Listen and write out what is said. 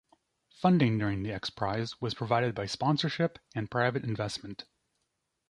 Funding during the X-Prize was provided by sponsorship and private investment.